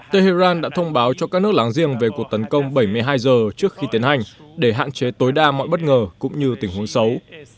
tehran đã thông báo cho các nước láng giềng về cuộc tấn công bảy mươi hai giờ trước khi tiến hành để hạn chế tối đa mọi bất ngờ cũng như tình huống xấu